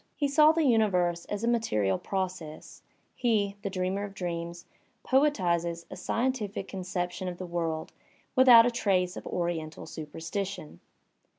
He saw the universe as a material process; he, the dreamer of dreams, poetizes a scientific conception of the world without a trace of oriental superstition.